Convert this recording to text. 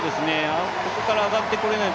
ここから上がってこれない